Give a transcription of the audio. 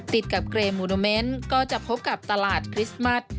ติดกับเกรโมเมนต์ก็จะพบกับตลาดคริสต์มัส